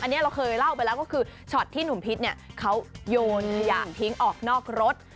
อันนี้เราเคยเล่าไปแล้วก็คือช็อตที่หนุ่มพิษเนี่ยเขาโยนขยะทิ้งออกนอกรถ